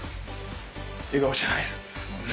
笑顔じゃないですもんね。